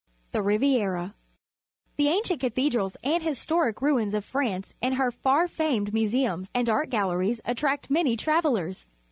The Riviera. — The ancient cathedrals and historic ruins of France and her far famed museums and art galleries attract many travellers.